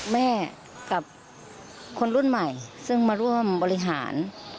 แม่กับคนรุ่นใหม่ซึ่งมาร่วมบริหาร